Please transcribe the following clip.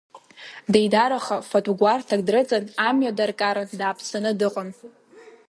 Деидараха, фатә гәарҭак дрыҵан, амҩа даркаран, дааԥсаны дыҟан.